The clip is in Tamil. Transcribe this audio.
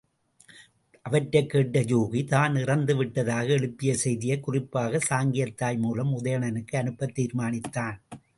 அவற்றைக் கேட்ட யூகி, தான் இறந்துவிட்டதாக எழுப்பிய செய்தியைக் குறிப்பாகச் சாங்கியத் தாய் மூலம் உதயணனுக்கு அனுப்பத் தீர்மானித்தான்.